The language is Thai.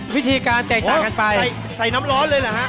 วิธีการแตกต่างกันไปใส่น้ำร้อนเลยเหรอฮะ